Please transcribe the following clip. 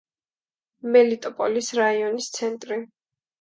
მელიტოპოლის რაიონის ცენტრი.